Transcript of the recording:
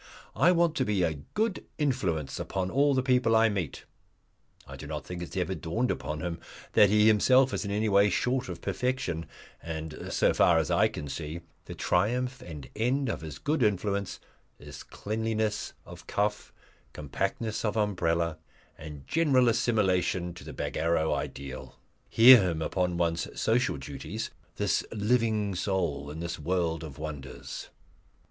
"I want to be a Good Influence upon all the people I meet." I do not think it has ever dawned upon him that he himself is any way short of perfection; and, so far as I can see, the triumph and end of his good influence is cleanliness of cuff, compactness of umbrella, and general assimilation to the Bagarrow ideal. Hear him upon one's social duties this living soul in this world of wonders!